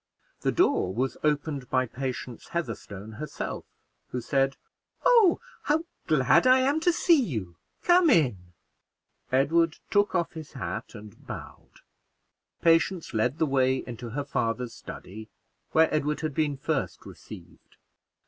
The door was opened by Patience Heatherstone herself, who said, "Oh, how glad I am to see you! Come in." Edward took off his hat and bowed. Patience led the way into her father's study, where Edward had been first received.